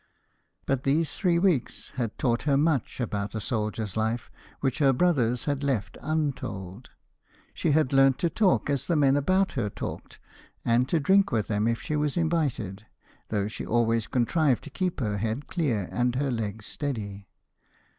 But these three weeks had taught her much about a soldier's life which her brothers had left untold. She had learnt to talk as the men about her talked, and to drink with them if she was invited, though she always contrived to keep her head clear and her legs steady.